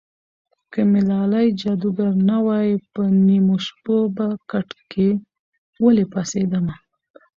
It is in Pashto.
که مې لالی جادوګر نه وای په نیمو شپو به کټ کې ولې پاڅېدمه